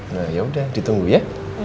nah yaudah ditunggu ya